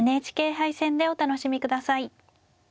ＮＨＫ杯戦でお楽しみ下さい。